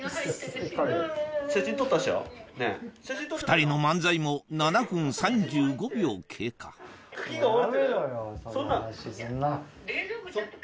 ２人の漫才も７分３５秒経過茎が折れて。